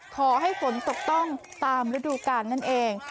ขอให้ฝนตกต้องตามระดูกการนั่นเอง